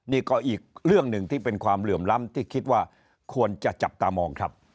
นี่ก็อีกเรื่องหนึ่งที่เป็นความเหลื่อมล้ำที่คิดว่าควรจะจับตามองครับ